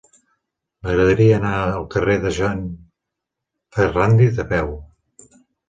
M'agradaria anar al carrer de Joan Ferrándiz a peu.